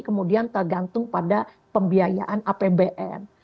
kemudian tergantung pada pembiayaan apbn